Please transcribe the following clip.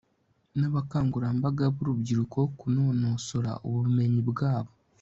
n abakangurambaga b urubyiruko kunonosora ubumenyi bwabo